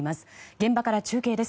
現場から中継です。